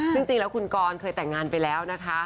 ซึ่งจริงแล้วคุณกรเคยแต่งงานไปแล้วนะคะ